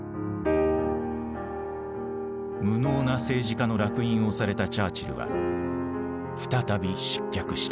無能な政治家の烙印を押されたチャーチルは再び失脚した。